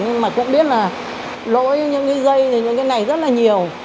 nhưng mà cũng biết là lỗi những cái dây thì những cái này rất là nhiều